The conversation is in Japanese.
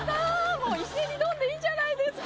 もう一斉にドンでいいじゃないですか。